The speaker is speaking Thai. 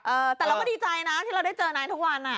เออแต่เราก็ดีใจนะที่เราได้เจอนายทุกวันอ่ะ